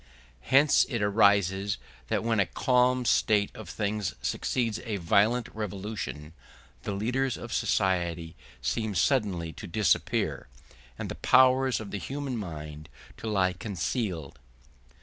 Hence it arises that when a calm state of things succeeds a violent revolution, the leaders of society seem suddenly to disappear, and the powers of the human mind to lie concealed.